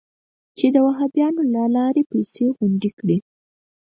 چې د وهابیانو له لارې پیسې غونډې کړي.